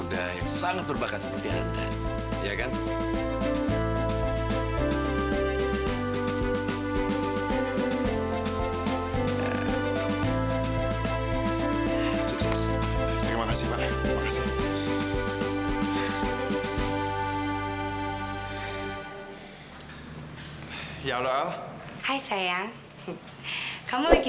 dia sangat suka rancangan kamu mit